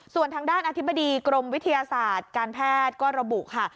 ส่วนทางด้านอธิบดีกรมวิทยาศาสตร์การแพทย์ก็ระบุค่ะ